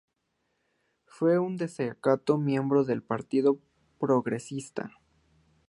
Fue un destacado miembro del Partido Progresista.